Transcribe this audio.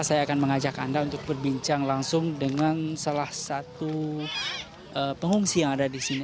saya akan mengajak anda untuk berbincang langsung dengan salah satu pengungsi yang ada di sini